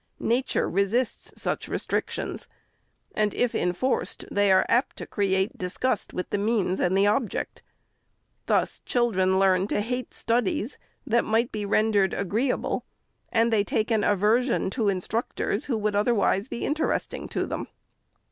Nature resists such restrictions ; and if enforced, they are apt to create disgust with the means and the object. Thus children learn to hate studies, that might be rendered agreeable, and they take an aversion to instructors, who would otherwise be interesting to them.